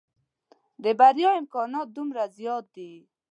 د بريا امکانات دومره زيات دي.